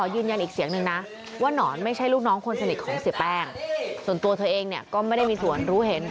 อยู่ที่บ้านปกติเลย